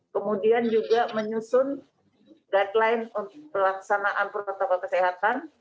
kemudian juga menyusun guideline untuk pelaksanaan protokol kesehatan